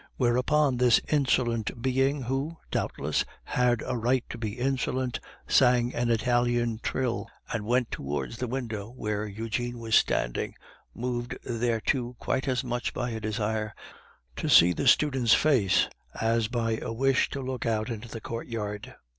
Whereupon this insolent being, who, doubtless, had a right to be insolent, sang an Italian trill, and went towards the window where Eugene was standing, moved thereto quite as much by a desire to see the student's face as by a wish to look out into the courtyard.